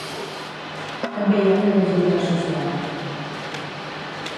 També hi ha una llegenda associada.